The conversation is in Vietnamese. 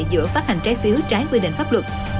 giữa phát hành trái phiếu trái quy định pháp luật